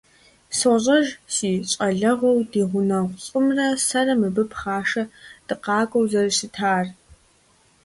СощӀэж си щӀалэгъуэу ди гъунэгъу лӀымрэ сэрэ мыбы пхъашэ дыкъакӀуэу зэрыщытар.